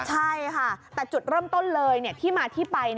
ใช่ค่ะแต่จุดเริ่มต้นเลยที่มาที่ไป